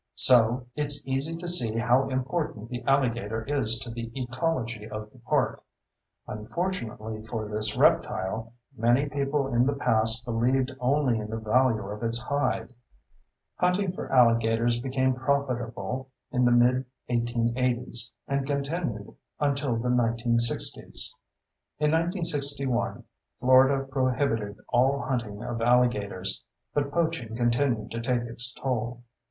So, it's easy to see how important the alligator is to the ecology of the park. Unfortunately for this reptile, many people in the past believed only in the value of its hide. Hunting for alligators became profitable in the mid 1880's and continued until the 1960's. In 1961 Florida prohibited all hunting of alligators, but poaching continued to take its toll.